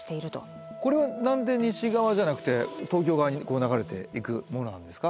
これは何で西側じゃなくて東京側に流れていくものなんですか？